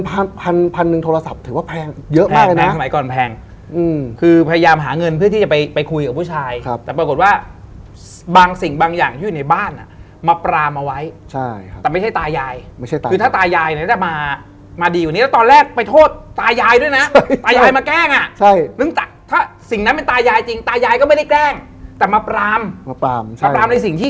พยายามหาเงินเพื่อที่จะไปคุยกับผู้ชายครับแต่ปรากฏว่าบางสิ่งบางอย่างที่อยู่ในบ้านอ่ะมาปรามเอาไว้ใช่ครับแต่ไม่ใช่ตายายไม่ใช่ตายายคือถ้าตายายเนี่ยแต่มามาดีกว่านี้แล้วตอนแรกไปโทษตายายด้วยนะใช่ตายายมาแกล้งอ่ะใช่ถ้าสิ่งนั้นเป็นตายายจริงตายายก็ไม่ได้แกล้งแต่มาปรามมาปรามใช่มาปรามใน